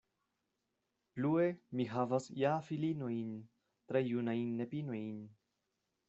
Plue mi havas ja filinojn, tre junajn nepinojn.